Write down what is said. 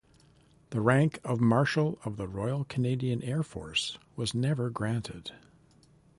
The rank of marshal of the Royal Canadian Air Force was never granted.